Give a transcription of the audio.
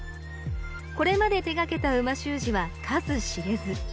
これまで手がけた美味しゅう字は数知れず。